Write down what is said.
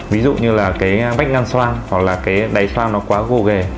ví dụ như là cái bách nâng xoang hoặc là cái đáy xoang nó quá gồ ghề